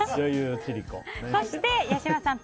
そして、八嶋さん